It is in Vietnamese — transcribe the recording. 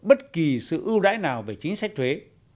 bất kỳ sự ưu đãi nào về chính sách thuế